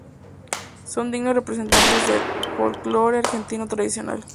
Son dignos representantes del folklore argentino tradicional.